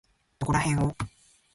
どこらへんを？